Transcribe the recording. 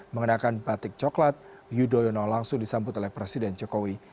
mengenakan batik coklat yudhoyono langsung disambut oleh presiden jokowi